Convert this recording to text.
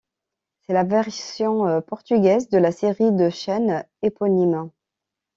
C'est la version portugaise de la série de chaînes éponyme.